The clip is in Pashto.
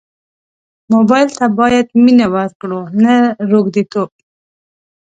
موبایل ته باید مینه ورکړو نه روږديتوب.